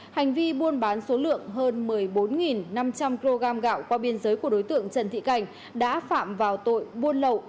hành vi buôn bán số lượng hơn một mươi bốn năm trăm linh kg gạo qua biên giới của đối tượng trần thị cảnh đã phạm vào tội buôn lậu